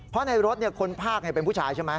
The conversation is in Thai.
เพราะในรถคนภาคเป็นผู้ชายใช่ไหม